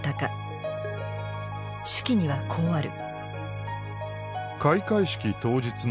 手記にはこうある。